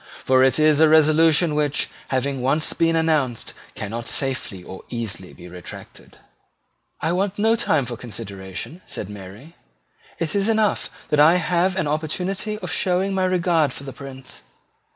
For it is a resolution which, having once been announced, cannot safely or easily be retracted." "I want no time for consideration," answered Mary. "It is enough that I have an opportunity of showing my regard for the Prince.